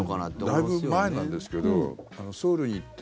だいぶ前なんですけどソウルに行って